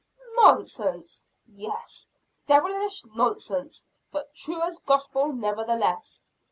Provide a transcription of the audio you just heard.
"Nonsense!" "Yes, devilish nonsense! but true as gospel, nevertheless."